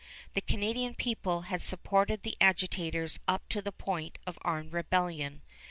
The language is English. The Canadian people had supported the agitators up to the point of armed rebellion.